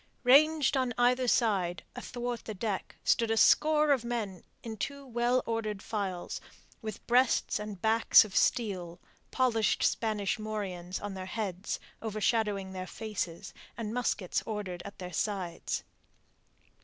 Ranged on either side, athwart the deck, stood a score of men in two well ordered files, with breasts and backs of steel, polished Spanish morions on their heads, overshadowing their faces, and muskets ordered at their sides.